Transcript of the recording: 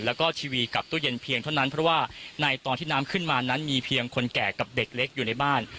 แล้วก็ทีวีกับตู้เย็นเพียงเท่านั้นเพราะว่าในตอนที่น้ำขึ้นมานั้นมีเพียงคนแก่กับเด็กเล็กอยู่ในบ้าน